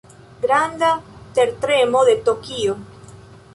Granda tertremo de Tokio.